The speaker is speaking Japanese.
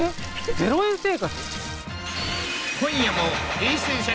０円生活？